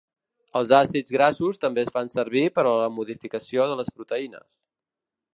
Els àcids grassos també es fan servir per a la modificació de les proteïnes.